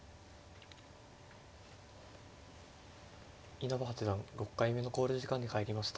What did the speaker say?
稲葉八段６回目の考慮時間に入りました。